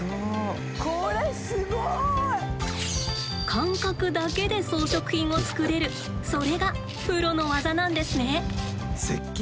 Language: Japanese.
感覚だけで装飾品を作れるそれがプロの技なんですね。